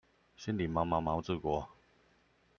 心裡毛毛毛治國